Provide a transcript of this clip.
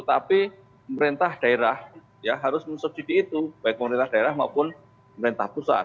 tapi pemerintah daerah ya harus mensubsidi itu baik pemerintah daerah maupun pemerintah pusat